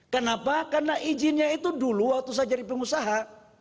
kenapa karena izinnya itu dulu waktu saya jadi pengusaha